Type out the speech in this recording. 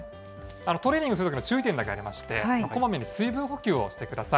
トレーニングするときの注意点がありまして、こまめに水分補給をしてください。